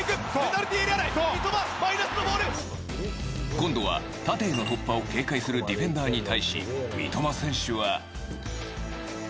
今度は、縦への突破を警戒するディフェンダーに対し三笘選手は。